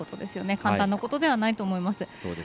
簡単なことではないと思います。